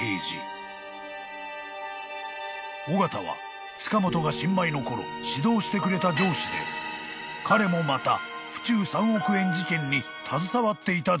［緒方は塚本が新米のころ指導してくれた上司で彼もまた府中３億円事件に携わっていた人物］